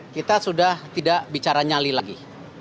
kita sudah tidak bicara nyali lagi